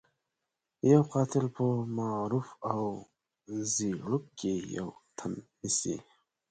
يو قاتل په معروف او زيړوک کې يو تن نيسي.